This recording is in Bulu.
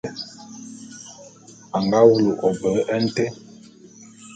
A nga wulu ôbe nté.